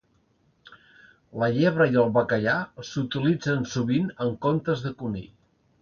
La llebre i el bacallà s'utilitzen sovint en comptes de conill.